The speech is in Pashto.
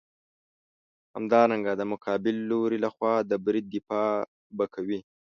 همدارنګه د مقابل لوري لخوا د برید دفاع به کوې.